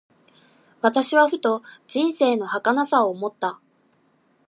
私はふと、人生の儚さを思った。